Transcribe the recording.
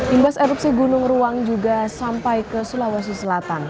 imbas erupsi gunung ruang juga sampai ke sulawesi selatan